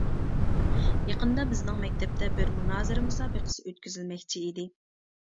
يېقىندا بىزنىڭ مەكتەپتە بىر مۇنازىرە مۇسابىقىسى ئۆتكۈزۈلمەكچى ئىدى.